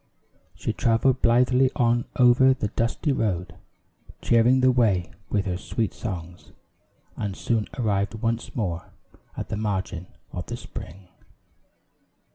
She traveled blithely on over the dusty road, cheering the way with her sweet songs, and soon arrived once more at the margin of the spring.